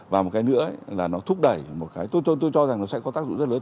và một cái nữa là nó thúc đẩy một cái tôi cho rằng nó sẽ có tác dụng rất lớn